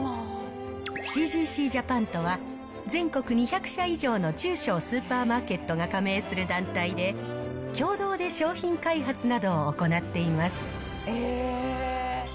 シージーシージャパンとは、全国２００社以上の中小スーパーマーケットが加盟する団体で、共同で商品開発などを行っています。